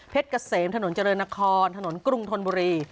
เพชต์กระเสมถนนเจริญครนถนนกรุงธนบุรี